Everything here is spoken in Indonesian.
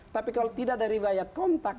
tapi kalau tidak dari riwayat kontak